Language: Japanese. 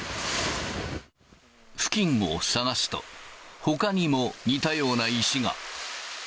付近を探すと、ほかにも似たような石が。